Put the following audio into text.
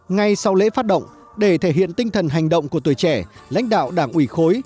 ngay sau lễ phát động để thể hiện tinh thần hành động của tuổi trẻ lãnh đạo đảng ủy khối